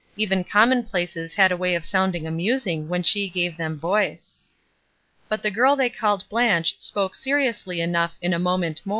Even commonplaces had a way of sounding amusing when she gave them voice. But the girl they called "Blanche" spoke seriously enough in a moment more.